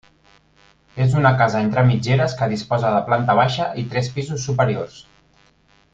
És una casa entre mitgeres que disposa de planta baixa i tres pisos superiors.